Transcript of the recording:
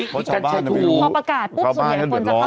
พอประกาศพูดสุดใหญ่คนจะพาไปได้แล้ว